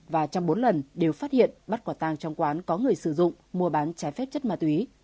và trong bốn lần đều phát hiện bắt quả tàng trong quán có người sử dụng mua bán trái phép chất ma túy